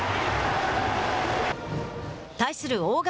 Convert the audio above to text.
対する大垣